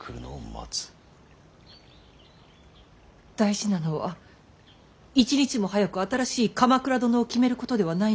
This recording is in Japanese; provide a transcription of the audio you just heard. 大事なのは一日も早く新しい鎌倉殿を決めることではないのですか。